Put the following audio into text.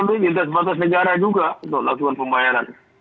tapi di atas batas negara juga untuk laksuan pembayaran